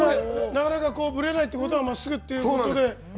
なかなかぶれないってことはまっすぐってことで。